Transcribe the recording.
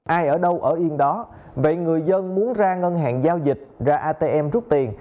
ai ở đâu ở yên đó vậy người dân muốn ra ngân hàng giao dịch ra atm rút tiền